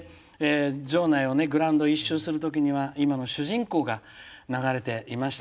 場内、グラウンドを１周するとき「主人公」が流れていました。